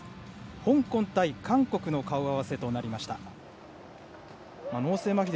香港対韓国の顔合わせとなりました。